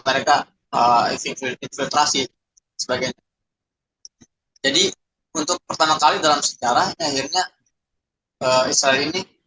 mereka infiltrasi sebagainya jadi untuk pertama kali dalam sejarah akhirnya israel ini